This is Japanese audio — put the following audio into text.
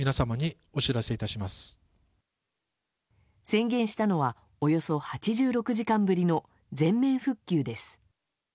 宣言したのはおよそ８６時間ぶりの全面復旧です。